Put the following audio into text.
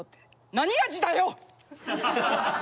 何味だよ！